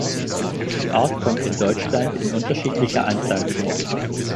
Die Art kommt in Deutschland in unterschiedlicher Anzahl vor.